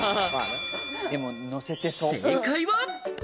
正解は。